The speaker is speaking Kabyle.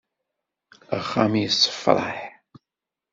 Axxam yessefraḥ.